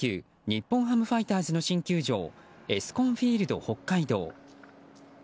日本ハムファイターズの新球場エスコンフィールド北海道。